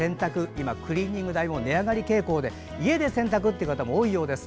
今、クリーニング代も値上がり傾向で家で洗濯という方も多いようです。